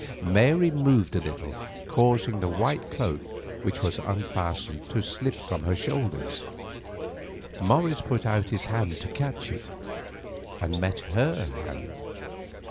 Mary moved a little, causing the white cloak, which was unfastened, to slip from her shoulders. Morris put out his hand to catch it, and met her hand.